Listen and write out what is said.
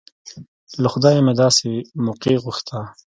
له خدايه مې داسې موقع غوښته.